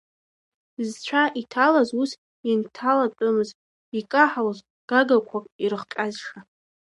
Зцәа иҭалаз ус ианҭалатәымыз, икаҳалоз гагақәак ирыхҟьаша…